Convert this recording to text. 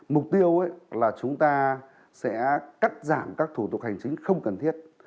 mục tiêu là chúng ta sẽ cắt giảm các thủ tục hành chính không cần thiết